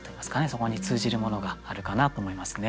そこに通じるものがあるかなと思いますね。